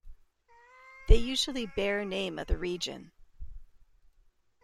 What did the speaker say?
They usually bear name of the region.